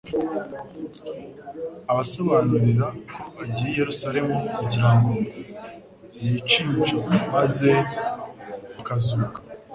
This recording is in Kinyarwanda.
Abasobanurira ko agiye i Yerusalemu kugira ngo yicimcyo maze akazuka.